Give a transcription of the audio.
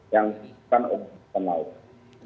yang diperlukan oleh penelusuran